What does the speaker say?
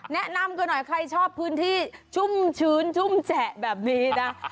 แนะนำกันหน่อยใครชอบพื้นที่ชุ่มชื้นชุ่มแฉะแบบนี้นะ